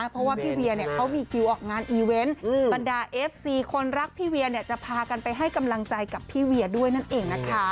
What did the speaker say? เพราะพี่เวียเนี่ยเค้ามีคิวออกงานอีเวน